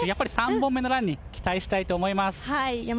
３本目のランに期待したいと思います。